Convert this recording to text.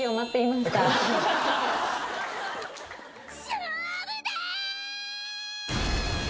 「勝負だ！」